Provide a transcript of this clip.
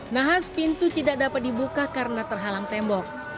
nahas pintu tidak dapat dibuka karena terhalang tembok